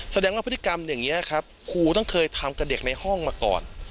แสดงว่าพฤติกรรมอย่างนี้ครับครูต้องเคยทำกับเด็กในห้องมาก่อน